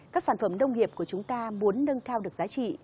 các sản phẩm nông nghiệp của chúng ta muốn nâng cao được giá trị